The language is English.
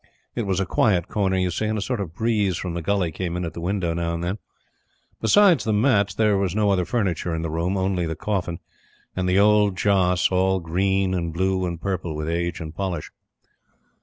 It was a quiet corner you see, and a sort of breeze from the gully came in at the window now and then. Besides the mats, there was no other furniture in the room only the coffin, and the old Joss all green and blue and purple with age and polish.